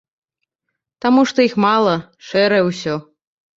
Таму што іх мала, шэрае ўсё.